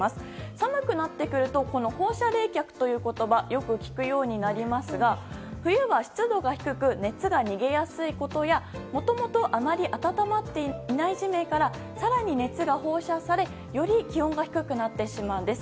寒くなってくるとこの放射冷却という言葉よく聞くようになりますが冬は湿度が低く熱が逃げやすいことやもともとあまり暖まっていない地面から更に熱が放射され、より気温が低くなってしまうんです。